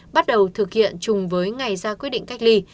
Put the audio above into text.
bắt đầu thực hiện chung với ngày ra quyết định cách ly